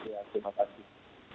ya terima kasih